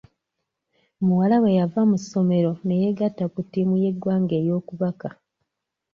Muwala we yava mu ssomero ne yeegatta ku ttiimu y'eggwanga ey'okubaka.